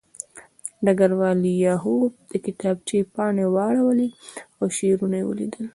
ډګروال لیاخوف د کتابچې پاڼې واړولې او شعرونه یې ولیدل